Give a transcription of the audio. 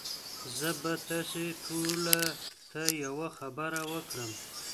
زه به تاسي ټوله ته یوه خبره وکړم